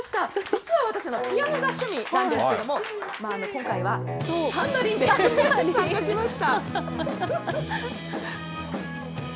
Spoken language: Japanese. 実は私、ピアノが趣味なんですけれども、今回は、タンバリンで参加しました。